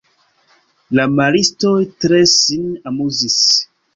La maristoj tre sin amuzis.